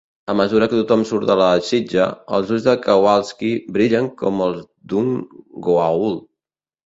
A mesura que tothom surt de la sitja, els ulls de Kawalsky brillen com els d'un Goa'uld.